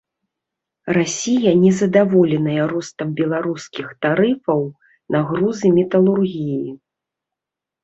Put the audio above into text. Расія незадаволеная ростам беларускіх тарыфаў на грузы металургіі.